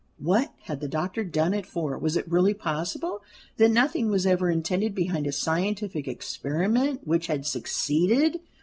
What had the doctor done it for? Was it really possible that nothing was ever intended beyond a scientific experiment, which had succeeded?